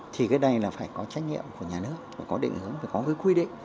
thì cái này là phải có trách nhiệm của nhà nước phải có định hướng phải có cái quy định